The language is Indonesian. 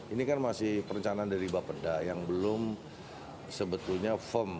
ini kan masih perencanaan dari bapeda yang belum sebetulnya firm